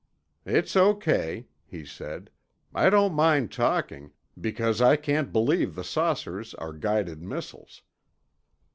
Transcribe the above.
"It's O.K.," he said. "I don't mind talking, because can't believe the saucers are guided missiles.